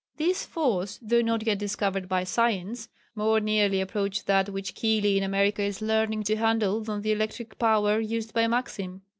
This force, though not yet discovered by science, more nearly approached that which Keely in America is learning to handle than the electric power used by Maxim.